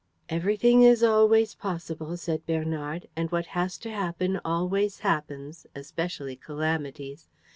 "Everything is always possible," said Bernard, "and what has to happen always happens, especially calamities."